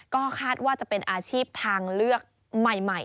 ก็คาดว่าจะเป็นอาชีพทางเลือกใหม่